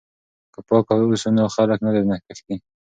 که پاک اوسو نو خلک نه درنه تښتي.